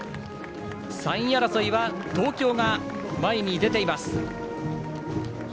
３位争いは東京が前に出ています。